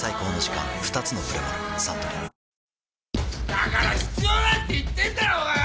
だから必要ないって言ってんだろうがよ！